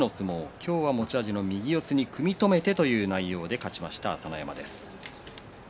今日は持ち味の右四つに組み止めての相撲で勝ちました朝乃山です。